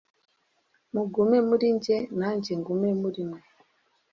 «Mugume muri njye nanjye ngume muri mwe.»